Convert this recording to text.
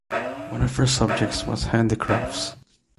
One of her subjects was handicrafts.